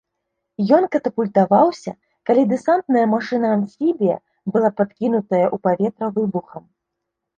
Ён катапультаваўся, калі дэсантная машына-амфібія была падкінутая ў паветра выбухам.